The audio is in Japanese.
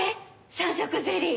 三色ゼリー。